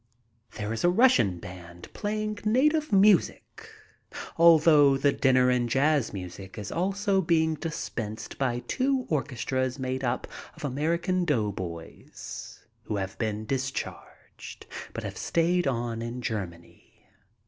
There is a Russian band playing native music all through the dinner and jazz music is also being dispensed by two orchestras made up of American doughboys who have been discharged, but have stayed on in Germany.